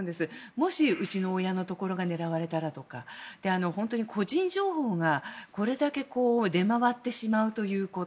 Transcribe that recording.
もし、うちの親のところが狙われたらとか個人情報がこれだけ出回ってしまうということ。